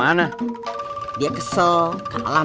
iya tadi dari toko beli es krim